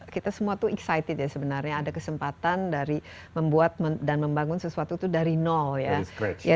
kita semua tuh excited ya sebenarnya ada kesempatan dari membuat dan membangun sesuatu itu dari nol ya